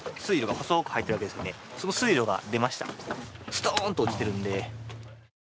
ストーンと落ちてるんで。